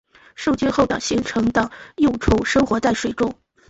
受精后的形成的幼虫生活在水中。